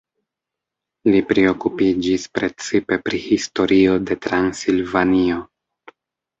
Li priokupiĝis precipe pri historio de Transilvanio.